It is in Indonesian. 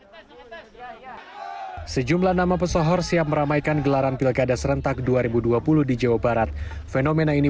hai sejumlah nama pesohor siap meramaikan gelaran pilgadas rentak dua ribu dua puluh di jawa barat fenomena ini